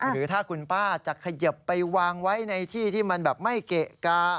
หรือถ้าคุณป้าจะเขยิบไปวางไว้ในที่ที่มันแบบไม่เกะกา